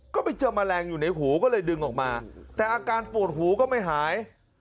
ก็ไปเจอแมลงอยู่ในหูก็เลยดึงออกมาแต่อาการปวดหูก็ไม่หาย